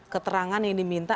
keterangan yang diminta